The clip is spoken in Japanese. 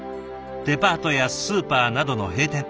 デパートやスーパーなどの閉店。